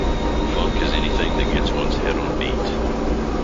Funk is anything that gets one's head on beat.